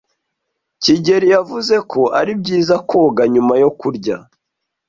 kigeli yavuze ko ari byiza koga nyuma yo kurya.